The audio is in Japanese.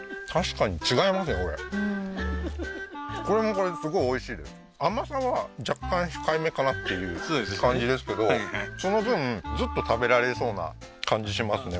これ甘さは若干控えめかなっていう感じですけどその分ずっと食べられそうな感じしますね